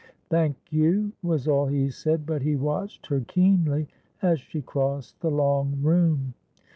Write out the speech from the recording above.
"Thank you," was all he said; but he watched her keenly as she crossed the long room.